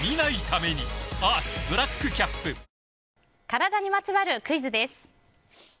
体にまつわるクイズです。